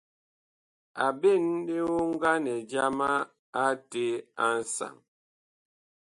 A ɓen lioŋganɛ jama ate a nsaŋ.